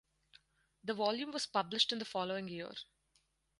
The volume was published in the following year.